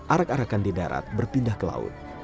arak arakan di darat berpindah ke laut